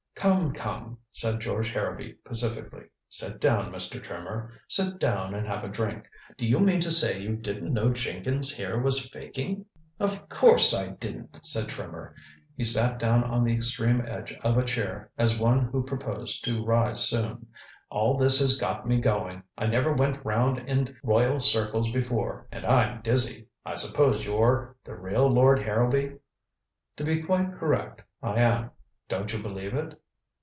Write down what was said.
"Come, come," said George Harrowby pacifically. "Sit down, Mr. Trimmer. Sit down and have a drink. Do you mean to say you didn't know Jenkins here was faking?" "Of course I didn't," said Trimmer. He sat down on the extreme edge of a chair, as one who proposed to rise soon. "All this has got me going. I never went round in royal circles before, and I'm dizzy. I suppose you're the real Lord Harrowby?" "To be quite correct, I am. Don't you believe it?"